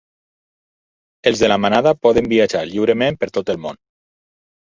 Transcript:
Els de la Manada poden viatjar lliurement per tot el món